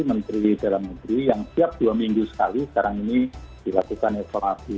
menteri menteri yang setiap dua minggu sekali sekarang ini dilakukan evaluasi